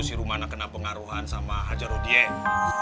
si rumana kena pengaruhan sama haji rodiah